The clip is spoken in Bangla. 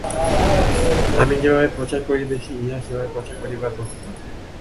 আমি যেভাবে প্রচার করিতেছি, ইহা সেভাবে প্রচার করিবার বস্তু নয়।